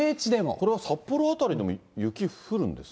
これは札幌辺りでも雪降るんですか？